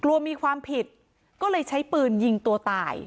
กลัวมีความผิดก็เลยใช้ปืนยิงตัวตาย